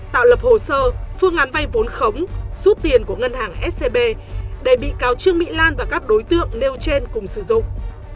tạo lập hồ sơ phương án vay vốn khống rút tiền của ngân hàng scb để bị cáo trương mỹ lan và các đối tượng nêu trên cùng sử dụng